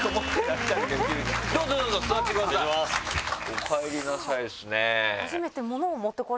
おかえりなさいですね。